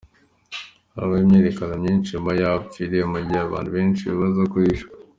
Harabaye imyiyerekano myinshi inyuma y'aho apfiriye, mu gihe abantu benshi bibaza ko yishwe.